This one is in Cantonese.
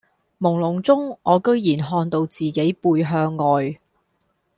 朦朧中我居然看到自己背向外